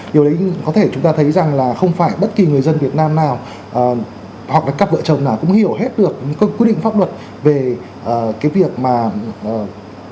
điều đấy có thể chúng ta thấy rằng là không phải bất kỳ người dân việt nam nào hoặc là các vợ chồng nào cũng hiểu hết được những quy định pháp luật về cái việc mà vi phạm chế độ hôn nhân